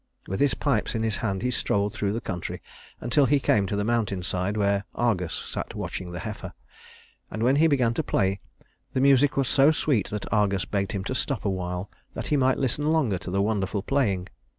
With his pipes in his hand he strolled through the country until he came to the mountain side, where Argus sat watching the heifer; and when he began to play, the music was so sweet that Argus begged him to stop awhile that he might listen longer to the wonderful playing.